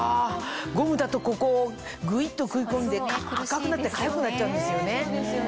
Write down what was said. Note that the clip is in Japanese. ゴムだとここをぐいっと食い込んで赤くなってかゆくなっちゃうんですよね。